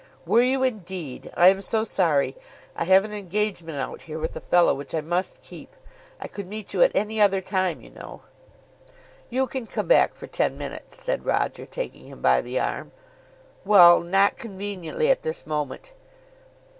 "Were you indeed? I am so sorry. I have an engagement out here with a fellow which I must keep. I could meet you at any other time, you know." "You can come back for ten minutes," said Roger, taking him by the arm. "Well; not conveniently at this moment."